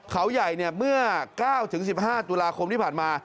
เขาใหญ่เมื่อ๙๑๕ตุลาคมที่ผ่านมา